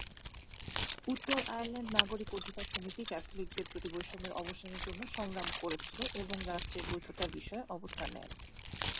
উত্তর আয়ারল্যান্ড নাগরিক অধিকার সমিতি ক্যাথলিকদের প্রতি বৈষম্যের অবসানের জন্য সংগ্রাম করেছিল এবং রাষ্ট্রের বৈধতার বিষয়ে অবস্থান নেয়নি।